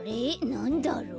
なんだろう？